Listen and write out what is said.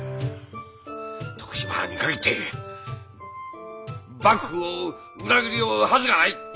徳島藩に限って幕府を裏切るはずがない！